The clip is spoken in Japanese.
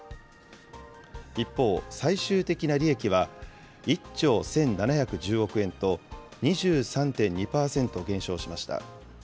一方、最終的な利益は１兆１７１０億円と、２３．２％減少しました。